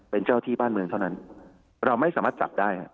เป็นเจ้าที่บ้านเมืองเท่านั้นเราไม่สามารถจับได้ครับ